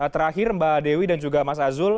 terakhir mbak dewi dan juga mas azul